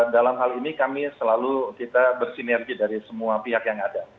dalam hal ini kami selalu kita bersinergi dari semua pihak yang ada